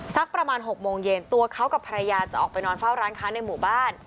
สักประมาณ๖โมงเย็นตัวเขากับภรรยาจะออกไปนอนเฝ้าร้านค้าในหมู่บ้าน